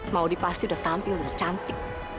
mau dipasti udah tampil udah cantik